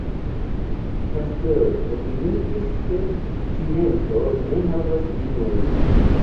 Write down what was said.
Pasteur opiniis ke scienco ne havas limojn.